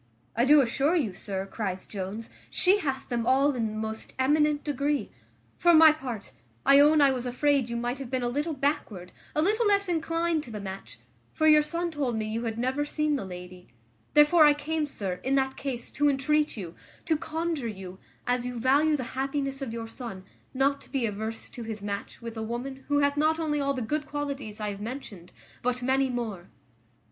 "I do assure you, sir," cries Jones, "she hath them all in the most eminent degree: for my part, I own I was afraid you might have been a little backward, a little less inclined to the match; for your son told me you had never seen the lady; therefore I came, sir, in that case, to entreat you, to conjure you, as you value the happiness of your son, not to be averse to his match with a woman who hath not only all the good qualities I have mentioned, but many more."